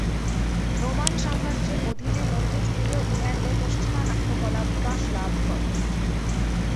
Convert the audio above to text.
Roman সাম্রাজ্যের অধীনে মধ্যযুগীয় ইংল্যান্ডে পশ্চিমা নাট্যকলা বিকাশ লাভ করে।